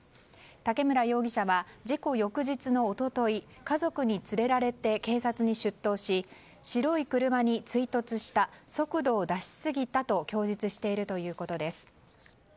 竹村容疑者は事故翌日の一昨日家族に連れられて警察に出頭し白い車に追突した速度を出しすぎたと供述しているということです。